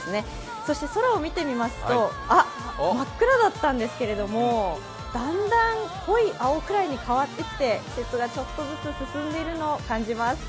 そして空を見てみますとあっ、真っ暗だったんですけどだんだん濃い青くらいに変わってきて季節がちょっとずつ進んでいるのを感じます。